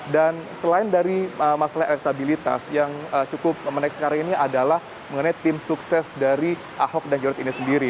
dan selain dari masalah elektabilitas yang cukup menaik sekarang ini adalah mengenai tim sukses dari ahok dan jorod ini sendiri